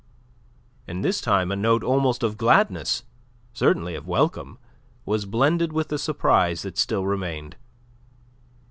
And this time a note almost of gladness, certainly of welcome, was blended with the surprise that still remained.